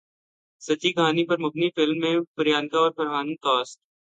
سچی کہانی پر مبنی فلم میں پریانکا اور فرحان کاسٹ